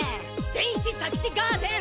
伝七・左吉ガーデン！